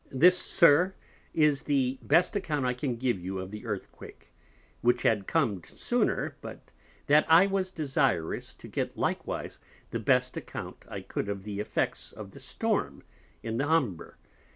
This, SIR, is the best Account I can give you of the Earthquake, which had com'd sooner, but that I was desirous to get likewise the best Account I cou'd of the Effects of the Storm in the Humber.